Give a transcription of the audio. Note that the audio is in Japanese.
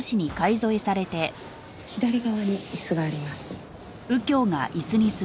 左側に椅子があります。